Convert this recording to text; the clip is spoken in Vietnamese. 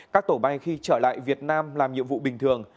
các tổ bay khi trở lại việt nam làm nhiệm vụ bình thường